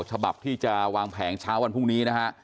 ฉบับที่จะวางแผงเช้าวันพรุ่งนี้นะฮะ